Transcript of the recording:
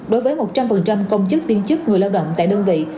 đối với một trăm linh công chức viên chức người lao động tại đơn vị